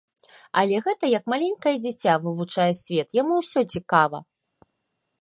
Але гэта як маленькае дзіця вывучае свет, яму ўсё цікава.